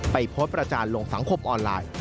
ไปโพสต์ประจานลงสังคมออนไลน์